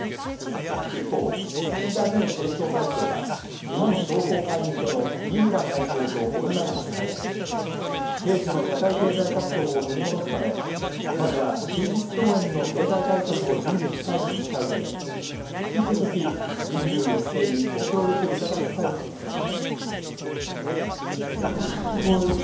一方、岸田前政調会長は日本商工会議所の三村会頭とオンラインで会談し、平時の社会経済活動を取り戻すため「まずは数十兆円の経済対策を準備したい」とした上で「引き続き人流抑制にご協力いただきたい」と述べました。